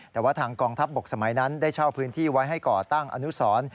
แต่ว่าทางกองทัพบกสมัยนั้นได้เช่าพื้นที่ไว้ให้ก่อตั้งอนุสร